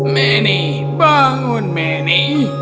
meni bangun meni